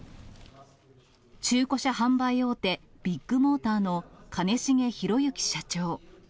中古車販売大手、ビッグモーターの兼重宏行社長。